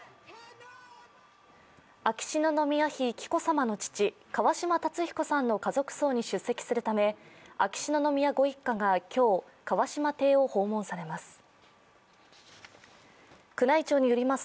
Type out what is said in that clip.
秋篠宮妃・紀子さまの父、川嶋辰彦さんの家族葬に出席するため秋篠宮ご一家が今日、川嶋邸を訪問されます。